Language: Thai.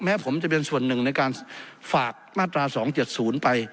แม้ผมจะเป็นส่วนหนึ่งในการฝากมาตรา๒๗๐ไป